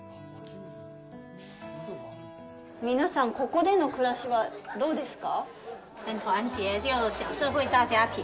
皆さん、ここでの暮らしはどうですか。